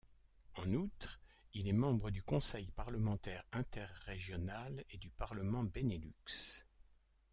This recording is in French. En outre il est membre du Conseil Parlementaire Interrégional et du Parlement Benelux.